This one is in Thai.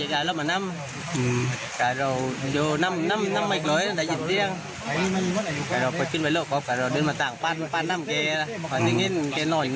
นึกว่าคุณโม่ด้วยก็นั่งกินเหล้าจุดก็กับมันแต่ยินเตียงเลยอ่ะ